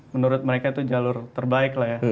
menurut mereka itu jalur terbaik lah ya